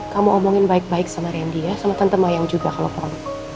kamu omongin baik baik sama randy ya sama tante wayang juga kalau perang